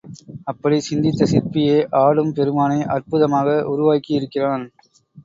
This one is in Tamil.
அப்படிச் சிந்தித்த சிற்பியே ஆடும் பெருமானை அற்புதமாக உருவாக்கியிருக்கிறான்.